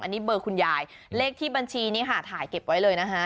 อันนี้เบอร์คุณยายเลขที่บัญชีนี่ค่ะถ่ายเก็บไว้เลยนะคะ